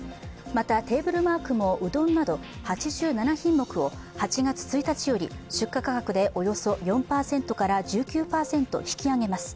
また、テーブルマークもうどんなど８７品目を８月１日より出荷価格でおよそ４％から１９％、引き上げます。